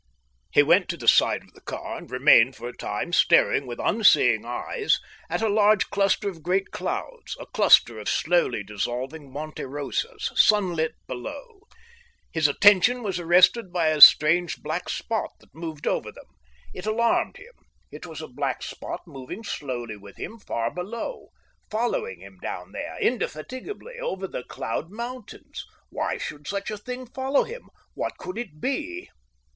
He went to the side of the car and remained for a time staring with unseeing eyes at a huge cluster of great clouds a cluster of slowly dissolving Monte Rosas, sunlit below. His attention was arrested by a strange black spot that moved over them. It alarmed him. It was a black spot moving slowly with him far below, following him down there, indefatigably, over the cloud mountains. Why should such a thing follow him? What could it be?...